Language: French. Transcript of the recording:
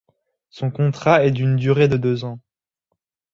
Son contrat est d'une durée de deux ans.